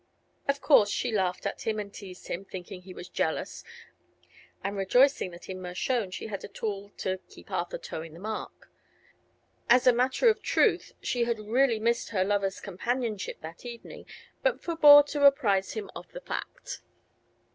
Of course she laughed at him and teased him, thinking he was jealous and rejoicing that in Mershone she had a tool to "keep Arthur toeing the mark." As a matter of truth she had really missed her lover's companionship that evening, but forbore to apprise him of the fact.